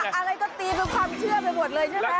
อะไรก็ตีเป็นความเชื่อไปหมดเลยใช่ไหม